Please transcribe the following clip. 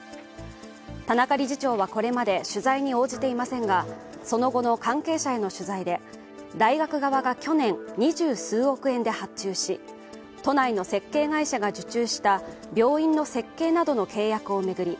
田中理事長はこれまで取材に応じていませんがその後の関係者への取材で、大学側が去年、二十数億円で発注し都内の設計会社が受注した病院の設計などの契約を巡り